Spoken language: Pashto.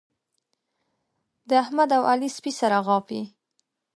د احمد او علي سپي سره غاپي.